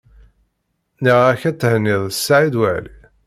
Nniɣ-ak ad thenniḍ Saɛid Waɛli.